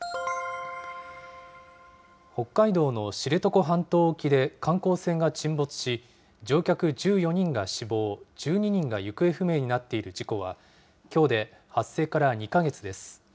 北海道の知床半島沖で観光船が沈没し、乗客１４人が死亡、１２人が行方不明になっている事故は、きょうで発生から２か月です。